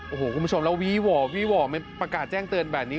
โอ้โหคุณผู้ชมเราวีหว่อประกาศแจ้งเตือนแบบนี้